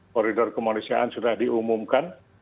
koridor kemanusiaan sudah diumumkan